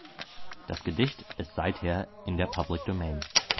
Das Gedicht ist seither in der Public Domain.